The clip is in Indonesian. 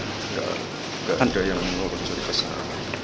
nggak ada yang menurut cerita sama